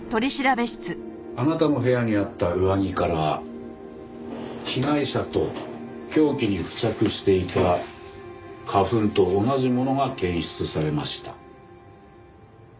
あなたの部屋にあった上着から被害者と凶器に付着していた花粉と同じものが検出されました。